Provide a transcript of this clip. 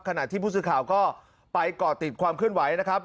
ขณะที่ผู้สื่อข่าวก็ไปก่อติดความเคลื่อนไหวนะครับ